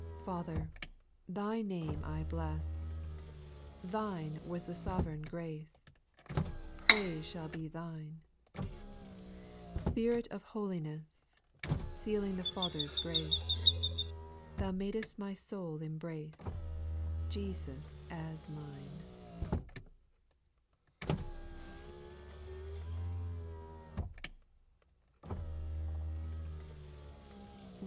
5: Father I Thy name I bless, Thine was the sovereign grace : Praise shall be Thine. Spirit of holiness, Sealing tbe Father's grace, Th^u mad'st my soul embx^icft Jesus aa mine.